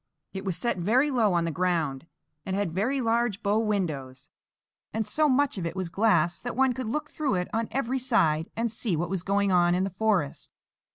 It was set very low on the ground, and had very large bow windows, and so much of it was glass that one could look through it on every side and see what was going on in the forest.